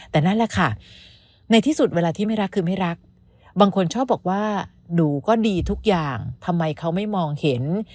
แต่นั่นแหละค่ะในที่สุดเวลาที่ไม่รักคือไม่รักบางคนชอบบอกว่าหนูก็ดีทุกอย่างทำไมเขาไม่มองเห็น